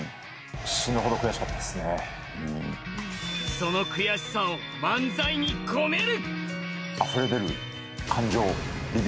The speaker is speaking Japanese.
その悔しさを漫才に込める。